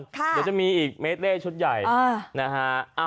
เดี๋ยวจะมีอีกเมดเล่ชุดใหญ่นะฮะ